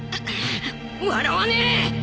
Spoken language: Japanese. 笑わねえ！